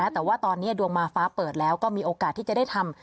แต่ว่าตอนนี้ดวงมาฟ้าเปิดแล้วก็มีโอกาสที่จะได้ทำ